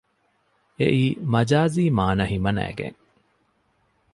އެއީ މަޖާޒީ މާނަ ހިމަނައިގެން